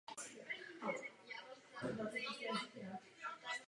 Byl také členem komunální správy města Lanškrouna.